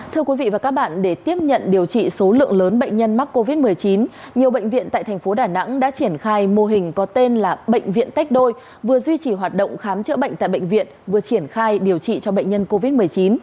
thưa quý vị và các bạn để tiếp nhận điều trị số lượng lớn bệnh nhân mắc covid một mươi chín nhiều bệnh viện tại thành phố đà nẵng đã triển khai mô hình có tên là bệnh viện tách đôi vừa duy trì hoạt động khám chữa bệnh tại bệnh viện vừa triển khai điều trị cho bệnh nhân covid một mươi chín